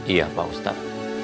iya pak ustaz